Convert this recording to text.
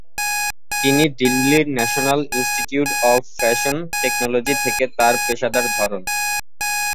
তিনি দিল্লির National Institute of Fashion Technology থেকে তার পেশাদার ধরন।